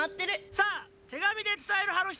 さあ手紙で伝える派の人？